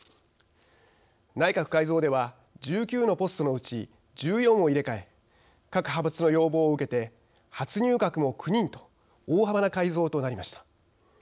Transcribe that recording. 内閣改造では１９のポストのうち１４を入れ替え各派閥の要望を受けて初入閣も９人と大幅な改造となりました。